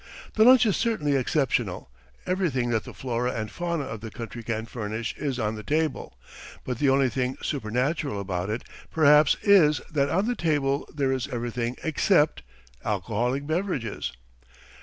The lunch is certainly exceptional. Everything that the flora and fauna of the country can furnish is on the table, but the only thing supernatural about it, perhaps, is that on the table there is everything except ... alcoholic beverages.